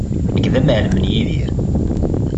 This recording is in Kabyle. Nekk d amɛellem n Yidir.